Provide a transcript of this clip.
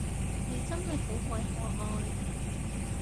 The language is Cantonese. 你真係好鬼可愛